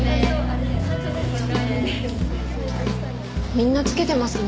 みんなつけてますね。